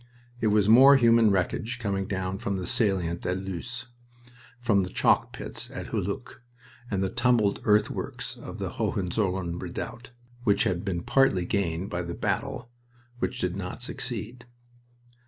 It was more human wreckage coming down from the salient of Loos, from the chalkpits of Hulluch and the tumbled earth of the Hohenzollern redoubt, which had been partly gained by the battle which did not succeed.